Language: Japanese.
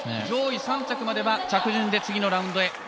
上位３着までは着順で次のラウンドへ。